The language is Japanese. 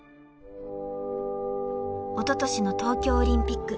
［おととしの東京オリンピック］